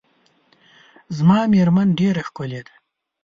زما میرمن ډیره ښکلې ده .